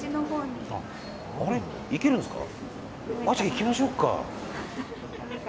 行きましょうか。